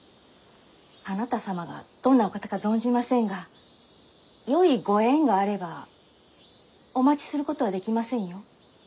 あなた様がどんなお方か存じませんがよいご縁があればお待ちすることはできませんよ。